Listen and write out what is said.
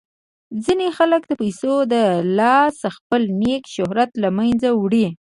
ځینې خلک د پیسو د لاسه خپل نیک شهرت له منځه وړي.